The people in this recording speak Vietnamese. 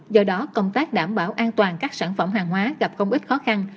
do đó công tác đảm bảo an toàn các sản phẩm hàng hóa gặp công ích khó khăn